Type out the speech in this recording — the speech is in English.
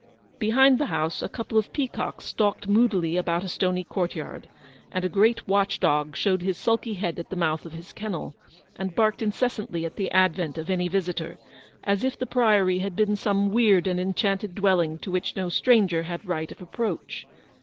Behind the house a couple of peacocks stalked 312 Eleanor's victory. moodily about a stony courtyard, and a great watch dog showed his sulky head at the mouth of his kennel, and barked incessantly at the advent of any visitor, as if the Priory had been some weird and enchanted dwelling to which no stranger had right of approach.